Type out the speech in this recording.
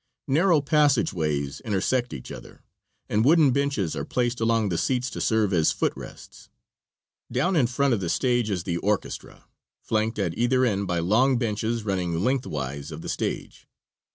Narrow passageways intersect each other, and wooden benches are placed along the seats to serve as foot rests. Down in front of the stage is the orchestra, flanked at either end by long benches running lengthwise of the stage.